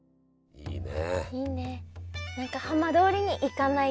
いいね。